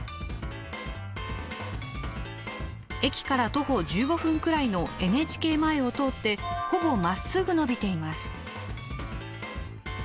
駅から徒歩１５分くらいのＮＨＫ前を通ってほぼまっすぐのびています。